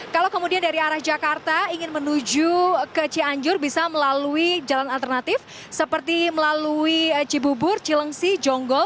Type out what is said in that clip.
kalau kemudian dari arah jakarta ingin menuju ke cianjur bisa melalui jalan alternatif seperti melalui cibubur cilengsi jonggol